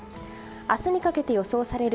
明日にかけて予想される